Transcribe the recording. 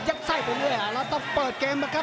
ยักไส้ไปด้วยแล้วต้องเปิดเกมล่ะครับ